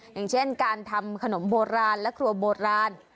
อย่างเช่นการทำขนมโบราณและครัวโบราณ